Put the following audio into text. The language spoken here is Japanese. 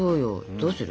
どうする？